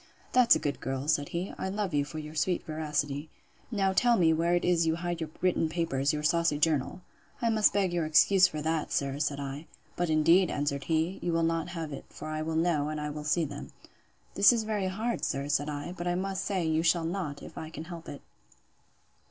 —That's a good girl! said he; I love you for your sweet veracity. Now tell me where it is you hide your written papers, your saucy journal?—I must beg your excuse for that, sir, said I. But indeed, answered he, you will not have it: for I will know, and I will see them.—This is very hard, sir, said I; but I must say, you shall not, if I can help it.